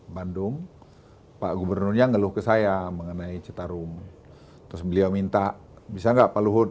bandung pak gubernurnya ngeluh ke saya mengenai citarum terus beliau minta bisa enggak pak luhut